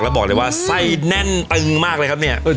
แล้วบอกเลยว่าไส้แน่นตึงมากเลยครับเนี่ย